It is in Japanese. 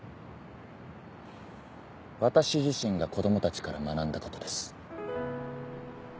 私自身が子供たちから学んだことです。